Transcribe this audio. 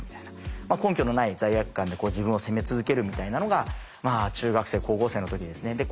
根拠のない罪悪感で自分を責め続けるみたいなのがまあ中学生高校生の時ですね。